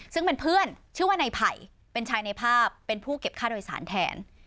ซึ่งเป็นเพื่อนชื่อว่าในไผ่เป็นชายในภาพเป็นผู้เก็บค่าโดยสารแทน